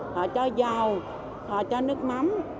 họ cho dầu họ cho nước mắm